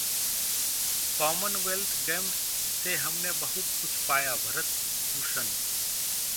Commonwealth Games से हमने बहुत-कुछ पाया: भरत भूषण